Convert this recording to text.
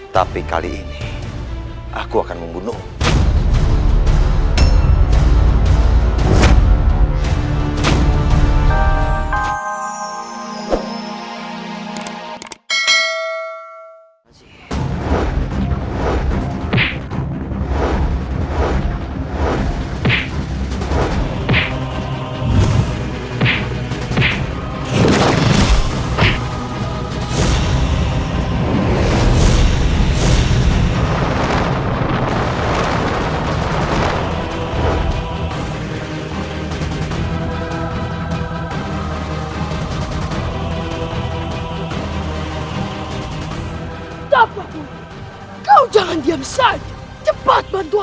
tapi kali ini aku akan membunuhmu